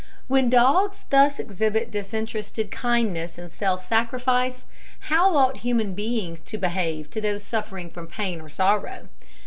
When dogs thus exhibit disinterested kindness and self sacrifice, how ought human beings to behave to those suffering from pain or sorrow?